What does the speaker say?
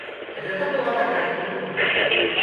Гэта была такая культура.